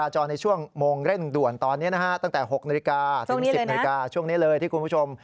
ช่วงนี้เลยที่คุณผู้ชม